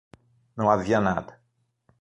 Não havia nada.